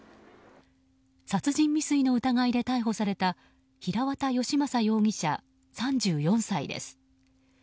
殺人未遂の疑いで逮捕された平綿由政容疑者、３４歳です。